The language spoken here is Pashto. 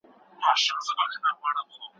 قلمي خط د سترګو او لاسونو همغږي زیاتوي.